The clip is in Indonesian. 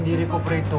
berikut aja deh